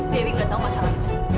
dewi udah tahu masalahnya